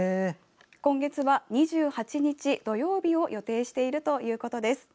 今月は２８日土曜日を予定しているということです。